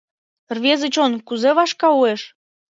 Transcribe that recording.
Рвезе чон кузе вашка уэш.